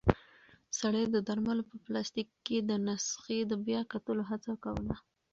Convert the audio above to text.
سړی د درملو په پلاستیک کې د نسخې د بیا کتلو هڅه کوله.